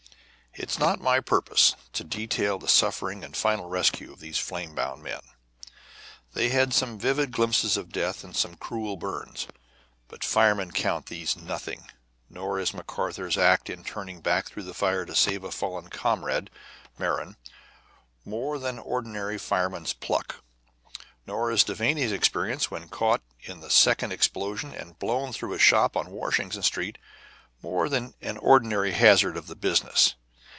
It is not my purpose to detail the sufferings and final rescue of these flame bound men. They had some vivid glimpses of death and some cruel burns, but firemen count these nothing, nor is McArthur's act in turning back through fire to save a fallen comrade (Merron) more than ordinary fireman's pluck, nor is Devanny's experience when caught in the second explosion and blown through a shop on Washington Street more than an ordinary hazard of the business.